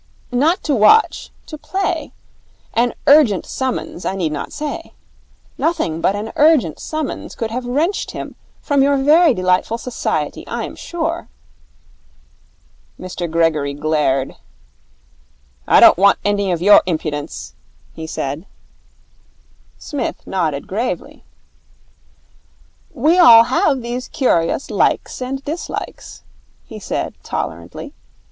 'Not to watch. To play. An urgent summons I need not say. Nothing but an urgent summons could have wrenched him from your very delightful society, I am sure.' Mr Gregory glared. 'I don't want any of your impudence,' he said. Psmith nodded gravely. 'We all have these curious likes and dislikes,' he said tolerantly.